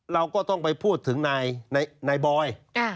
เราก็ต้องไปพูดถึงนายบอย